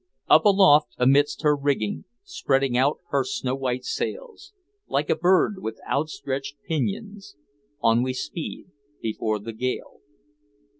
Up aloft amidst her rigging Spreading out her snow white sails, Like a bird with outstretched pinions, On we speed before the gale.